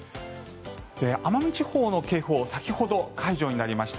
奄美地方の警報先ほど解除になりました。